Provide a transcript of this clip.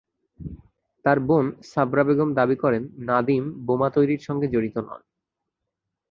তাঁর বোন সাবরা বেগম দাবি করেন, নাদিম বোমা তৈরির সঙ্গে জড়িত নন।